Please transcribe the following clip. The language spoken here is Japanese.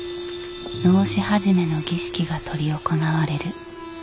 直衣始の儀式が執り行われる。